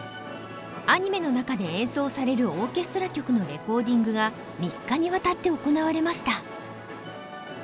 アニメの中で演奏されるオーケストラ曲のレコーディングが３日にわたって行われました。